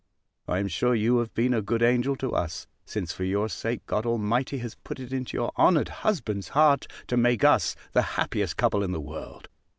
I am sure you have been a good angel to us; since, for your sake, God Almighty has put it into your honoured husband's heart to make us the happiest couple in the world.